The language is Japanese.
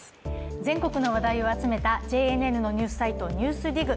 全国の話題を集めたＪＮＮのニュースサイト「ＮＥＷＳＤＩＧ」。